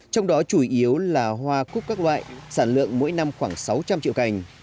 trong đó chủ yếu là hoa cúc các loại sản lượng mỗi năm khoảng sáu trăm linh triệu cành